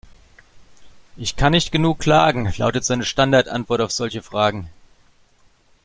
"Ich kann nicht genug klagen", lautet seine Standardantwort auf solche Fragen.